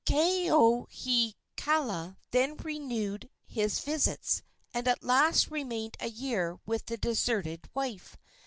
Kaonohiokala then renewed his visits, and at last remained a year with the deserted wife.